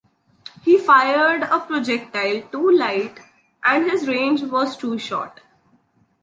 He fired a projectile too light and his range was too short.